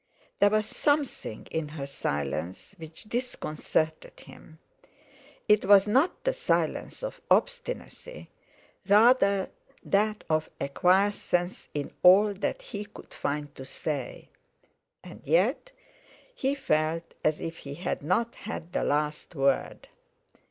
There was something in her silence which disconcerted him; it was not the silence of obstinacy, rather that of acquiescence in all that he could find to say. And yet he felt as if he had not had the last word.